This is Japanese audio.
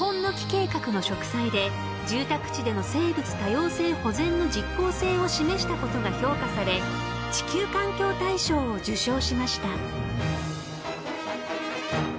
計画の植栽で住宅地での生物多様性保全の実効性を示したことが評価され地球環境大賞を受賞しました］